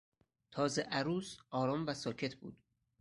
تازه عروس آرام و ساکت بود.